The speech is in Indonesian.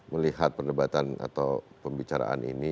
melihat perdebatan atau pembicaraan ini